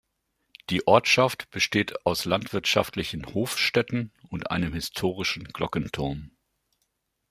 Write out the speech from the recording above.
Die Ortschaft besteht aus landwirtschaftlichen Hofstätten und einem historischen Glockenturm.